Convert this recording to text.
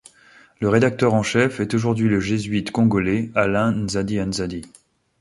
Le rédacteur en chef est aujourd'hui le jésuite congolais Alain Nzadi-a-Nzadi.